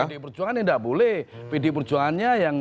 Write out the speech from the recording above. pd perjuangan yang tidak boleh pd perjuangannya yang